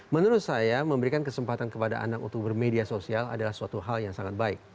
menurut saya memberikan kesempatan kepada anak untuk bermedia sosial adalah suatu hal yang sangat baik